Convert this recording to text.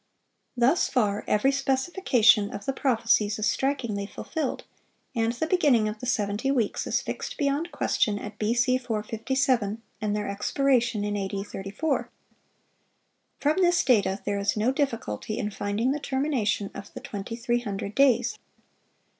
(546) Thus far every specification of the prophecies is strikingly fulfilled, and the beginning of the seventy weeks is fixed beyond question at B.C. 457, and their expiration in A.D. 34. From this data there is no difficulty in finding the termination of the 2300 days.